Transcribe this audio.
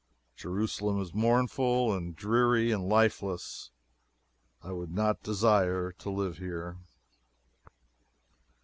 Jerusalem is mournful, and dreary, and lifeless. I would not desire to live here.